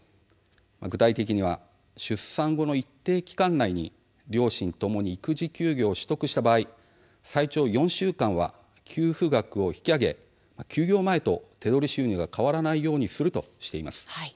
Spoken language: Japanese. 具体的には出産後の一定期間内に両親ともに育児休業を取得した場合最長４週間は給付額を引き上げ休業前と手取り収入が変わらないようにするとしています。